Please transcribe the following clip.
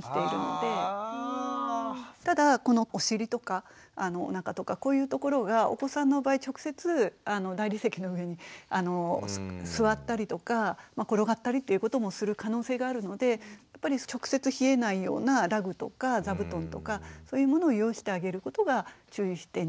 ただこのお尻とかおなかとかこういうところがお子さんの場合直接大理石の上に座ったりとか転がったりっていうこともする可能性があるのでやっぱり直接冷えないようなラグとか座布団とかそういうものを用意してあげることが注意点としては大切だと思います。